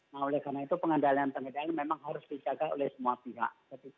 nah oleh karena itu pengendalian pengendalian memang harus dijaga oleh semua pihak